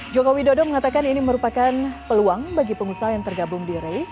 jokowi dodo mengatakan ini merupakan peluang bagi pengusaha yang tergabung di rei